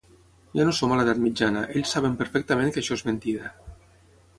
Ja no som a l’edat mitjana, ells saben perfectament que això és mentida.